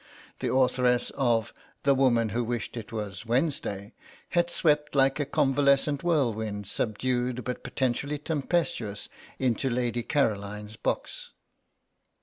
The authoress of "The Woman who wished it was Wednesday" had swept like a convalescent whirlwind, subdued but potentially tempestuous, into Lady Caroline's box.